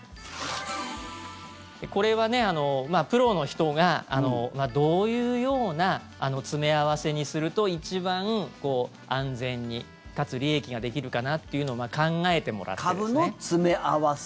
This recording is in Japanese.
これはプロの人がどういう詰め合わせにすると一番安全に、かつ利益ができるかなっていうのを株の詰め合わせ。